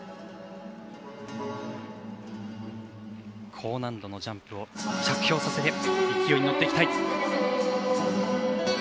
高難度のジャンプを着氷させて勢いに乗っていきたい。